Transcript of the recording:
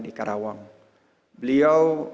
di karawang beliau